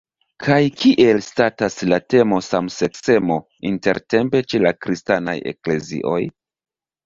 Kaj kiel statas la temo samseksemo intertempe ĉe la kristanaj eklezioj?